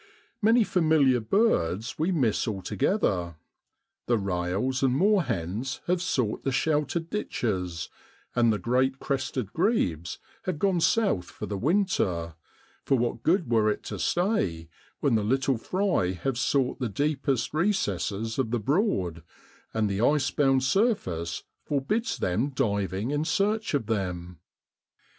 Many familiar birds we miss altogether; the rails and moorhens have sought the sheltered ditches; and the great crested grebes have gone south for the winter, for what good were it to stay when the little fry have sought the deepest recesses of the Broad, and the ice bound surface forbids them diving in search of them